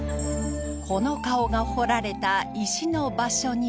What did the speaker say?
この顔が彫られた石の場所には